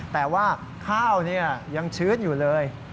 แต่ว่าข้าวยังชื้นอยู่เลย